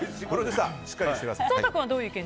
しっかりしてください。